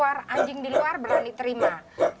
waktunya sekarang hanya dimana yang ber finale